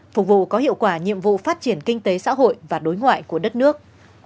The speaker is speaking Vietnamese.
phục vụ có hiệu quả nhiệm vụ phát triển kinh tế xã hội và đối ngoại của đất nước